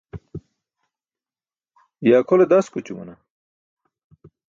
ye akʰole daskućumana?